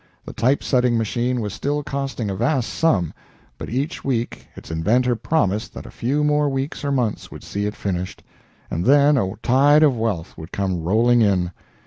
The typesetting machine was still costing a vast sum, but each week its inventor promised that a few more weeks or months would see it finished, and then a tide of wealth would come rolling in.